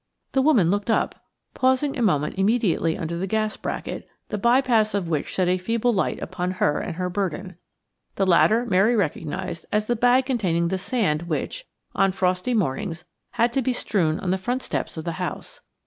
The woman looked up, pausing a moment immediately under the gas bracket, the by pass of which shed a feeble light upon her and upon her burden. The latter Mary recognised as the bag containing the sand which, on frosty mornings, had to be strewn on the front steps of the house.